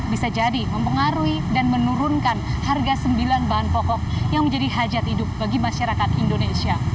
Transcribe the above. bisa jadi mempengaruhi dan menurunkan harga sembilan bahan pokok yang menjadi hajat hidup bagi masyarakat indonesia